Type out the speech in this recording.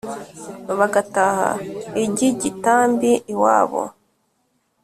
bagataha i gigitambi iwabo